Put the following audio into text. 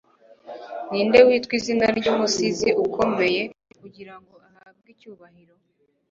ninde witwa izina ry'umusizi ukomeye kugirango ahabwe icyubahiro